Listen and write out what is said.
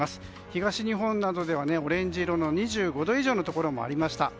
東日本などではオレンジ色の２５度以上のところもありました。